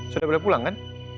sudah boleh pulang kan